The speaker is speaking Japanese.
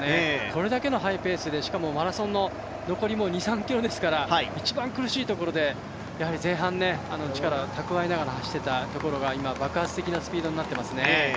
これだけのハイペースで、マラソン残り２３ｋｍですから一番、苦しいところでやはり前半、力を蓄えながら走っていたところが今、爆発的なスピードになっていますね。